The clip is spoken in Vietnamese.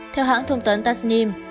theo hãng thông tấn tasnim